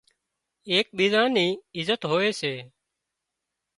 ايڪ ٻيزان ني عزت هوئي سي